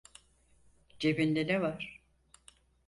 Cebinde ne var?